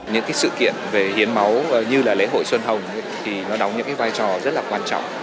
những sự kiện về hiến máu như lễ hội xuân hồng đóng những vai trò rất quan trọng